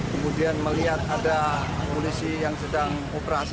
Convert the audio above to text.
kemudian melihat ada polisi yang sedang operasi